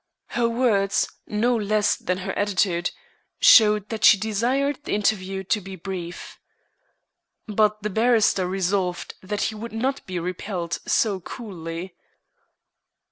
Her words, no less than her attitude, showed that she desired the interview to be brief. But the barrister resolved that he would not be repelled so coolly.